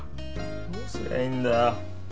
どうすりゃいいんだよ。